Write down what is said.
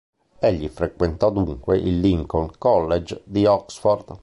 Egli frequentò dunque il Lincoln College di Oxford.